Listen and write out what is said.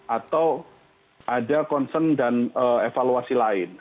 atau ada concern dan evaluasi lain